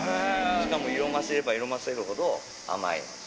しかも色ませれば色ませるほど、甘い梨。